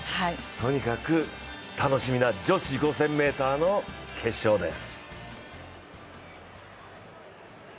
とにかく、楽しみな女子５０００ｍの決勝です。